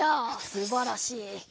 すばらしい。